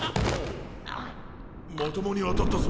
まともに当たったぞ。